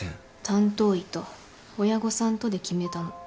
担当医と親御さんとで決めたの。